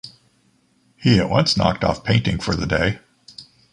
He at once knocked off painting for the day.